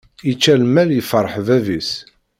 Yečča lmal yefṛeḥ bab-is.